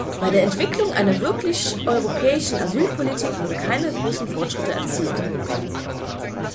Bei der Entwicklung einer wirklich europäischen Asylpolitik wurden keine großen Fortschritte erzielt.